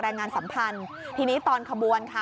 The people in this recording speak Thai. แรงงานสัมพันธ์ทีนี้ตอนขบวนค่ะ